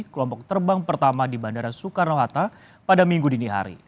kelompok terbang pertama di bandara soekarno hatta pada minggu dini hari